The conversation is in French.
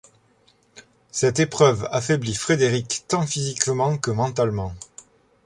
Cette épreuve affaiblit Fredericq tant physiquement que mentalement.